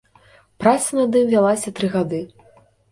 Праца над ім вялася тры гады.